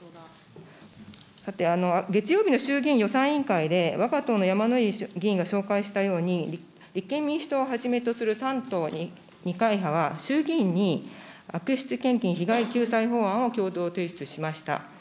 さて、月曜日の衆議院予算委員会で、わが党のやまのい議員が紹介したように、立憲民主党をはじめとする３党２会派は、衆議院に悪質献金被害救済法案を共同提出しました。